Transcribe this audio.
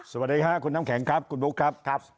สวัสดีค่ะคุณน้ำแข็งครับคุณบุ๊คครับ